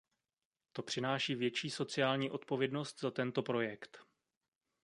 To přináší větší sociální odpovědnost za tento projekt.